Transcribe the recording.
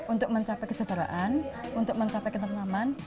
untuk mencapai kejajaran untuk mencapai ketenaman